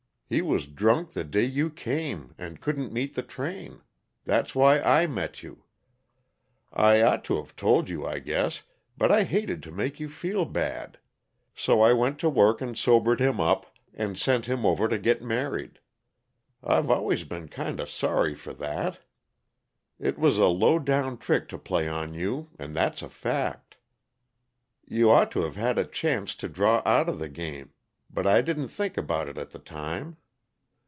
He was drunk the day you came, and couldn't meet the train. That's why I met you. I ought to've told you, I guess, but I hated to make you feel bad. So I went to work and sobered him up, and sent him over to get married. I've always been kinda sorry for that. It was a low down trick to play on you, and that's a fact. You ought to've had a chance to draw outa the game, but I didn't think about it at the time.